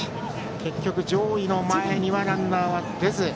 結局、上位の前にはランナーは出ず。